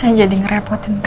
saya jadi ngerepotin kamu